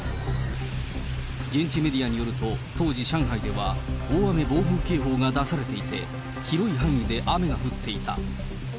現地メディアによると、当時、上海では、大雨暴風警報が出されていて、広い範囲で雨が降っていた。